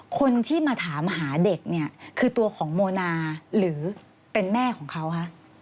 คนที่มาถามหาเด็กเนี่ยคือตัวของโมนาหรือเป็นแม่ของเขาคะ